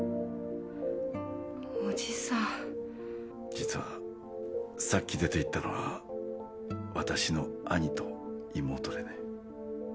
実はさっき出ていったのはわたしの兄と妹でね。